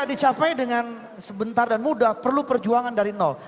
mencapai dengan sebentar dan mudah perlu perjuangan dari nol